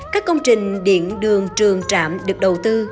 các công trình điện đường trường trạm được đầu tư